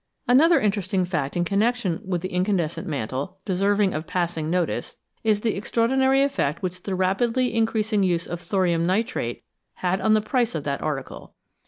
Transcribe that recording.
Another interesting fact in connection with the in candescent mantle deserving of passing notice is the extraordinary effect which the rapidly increasing use of thorium nitrate had on the price of that article.